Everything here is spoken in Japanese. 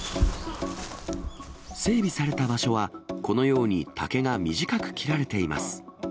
整備された場所は、このように竹が短く切られています。